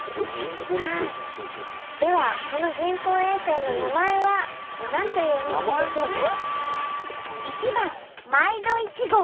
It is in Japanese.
ではこの人工衛星の名前は何という名前でしょうか？